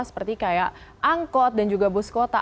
seperti kayak angkot dan juga bus kota